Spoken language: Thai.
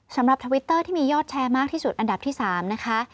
ทวิตเตอร์ที่มียอดแชร์มากที่สุดอันดับที่๓นะคะ